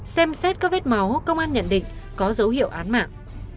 xem xét các vết máu công an nhận định có dấu hiệu án mạng